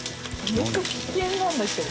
めちゃ危険なんだけど。